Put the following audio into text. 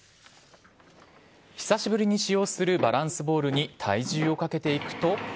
久しぶりに使用するバランスボールに体重をかけていくと。